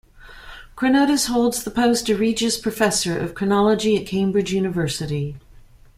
Chronotis holds the post of Regius Professor of Chronology at Cambridge University.